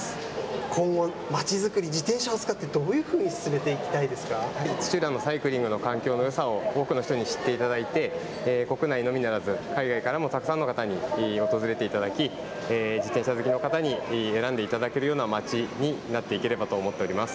今後、街づくり、自転車を使って、どういうふうに進めていきたいですか土浦のサイクリングの環境のよさを、多くの人に知っていただいて、国内のみならず、海外からもたくさんの方に訪れていただき、自転車好きの方に選んでいただけるような街になっていければと思っております。